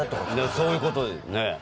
そういうことよね。